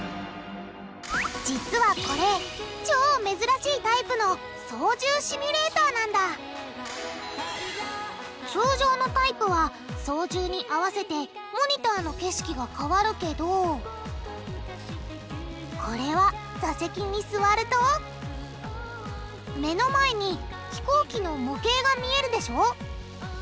実はこれ超珍しいタイプの操縦シミュレーターなんだ通常のタイプは操縦に合わせてモニターの景色が変わるけどこれは座席に座ると目の前に飛行機の模型が見えるでしょ。